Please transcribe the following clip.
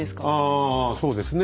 ああそうですね。